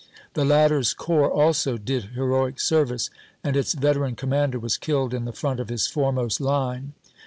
The latter's corps also did heroic service, and its veteran commander was killed in the front of his foremost line.